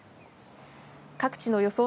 各地の予想